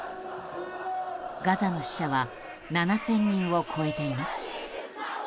ガザの死者は７０００人を超えています。